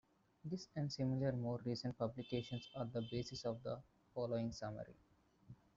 This and similar more recent publications are the basis of the following summary.